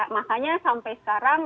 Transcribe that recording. makanya sampai sekarang